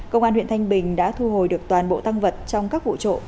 công an huyện thanh bình đã thu hồi được toàn bộ tăng vật trong các vụ trộm